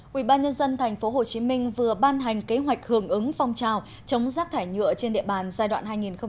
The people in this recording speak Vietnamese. quỹ ban nhân dân tp hcm vừa ban hành kế hoạch hưởng ứng phong trào chống rác thải nhựa trên địa bàn giai đoạn hai nghìn một mươi chín hai nghìn hai mươi một